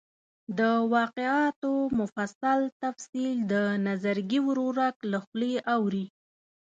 د واقعاتو مفصل تفصیل د نظرګي ورورک له خولې اوري.